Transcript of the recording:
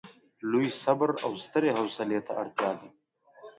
لوی صبر او سترې حوصلې ته اړتیا ده.